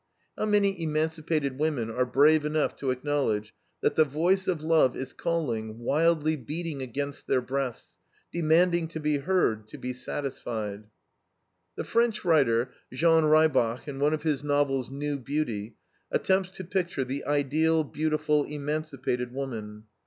How many emancipated women are brave enough to acknowledge that the voice of love is calling, wildly beating against their breasts, demanding to be heard, to be satisfied. The French writer, Jean Reibrach, in one of his novels, NEW BEAUTY, attempts to picture the ideal, beautiful, emancipated woman.